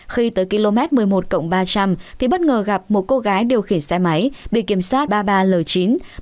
khi tới km một mươi một ba trăm linh thì bất ngờ gặp một cô gái điều khiển xe máy bị kiểm soát ba mươi ba l chín một mươi bảy xx